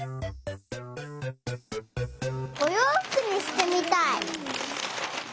おようふくにしてみたい！